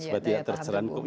ya daya tahan tubuh